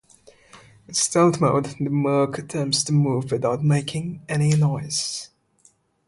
In stealth mode, the merc attempts to move without making any noise.